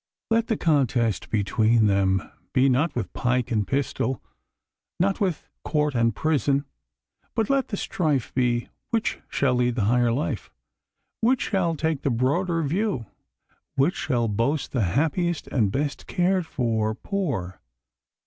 Let the contest between them be not with pike and pistol, not with court and prison; but let the strife be which shall lead the higher life, which shall take the broader view, which shall boast the happiest and best cared for poor.